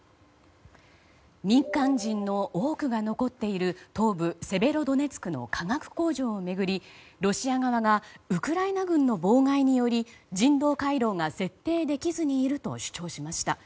民間人の多くが残っている東部セベロドネツクの化学工場を巡り、ロシア側がウクライナ軍の妨害により人道回廊が設定できずにいると主張しました。